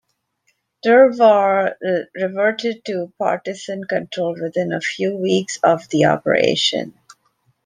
Drvar reverted to Partisan control within a few weeks of the operation.